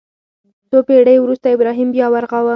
څو پېړۍ وروسته ابراهیم بیا ورغاوه.